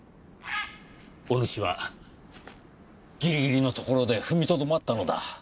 おぬしはギリギリのところで踏みとどまったのだ。